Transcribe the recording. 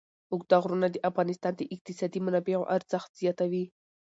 اوږده غرونه د افغانستان د اقتصادي منابعو ارزښت زیاتوي.